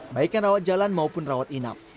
baik yang rawat jalan maupun rawat inap